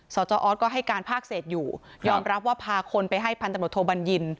สอก็ให้การภาคเศษอยู่ยอมรับว่าพาคนไปให้พตบย